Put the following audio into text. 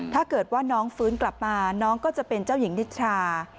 ถ้าเกิดว่าน้องฟื้นกลับมาน้องก็จะเป็นเจ้าหญิงนิทรา